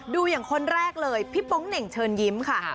ดูอย่างคนแรกเลยพี่โป๊งเหน่งเชิญยิ้มค่ะ